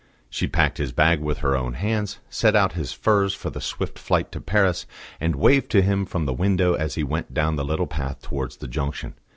She packed his bag with her own hands, set out his furs for the swift flight to Paris, and waved to him from the window as he went down the little path towards the junction.